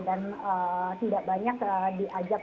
dan tidak banyak diajak